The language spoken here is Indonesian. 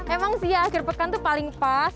emang sih ya akhir pekan itu paling pas